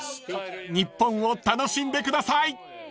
［日本を楽しんでください］